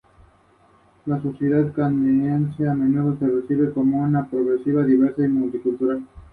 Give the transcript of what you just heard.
Además, está constatado que Herodiano no fue la principal fuente de Zósimo.